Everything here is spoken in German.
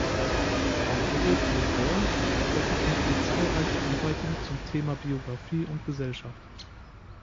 Frau Dorothee Roer veröffentlichte zahlreiche Arbeiten zum Thema Biografie und Gesellschaft.